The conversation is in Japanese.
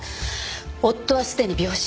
夫はすでに病死。